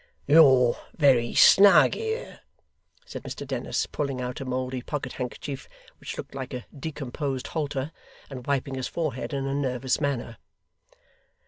'You're very snug here,' said Mr Dennis, pulling out a mouldy pocket handkerchief, which looked like a decomposed halter, and wiping his forehead in a nervous manner.